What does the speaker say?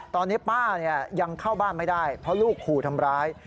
ตอนนี้ป้ายังเข้าบ้านไม่ได้เพราะลูกขู่ทำร้าย